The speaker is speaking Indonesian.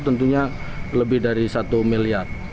tentunya lebih dari satu miliar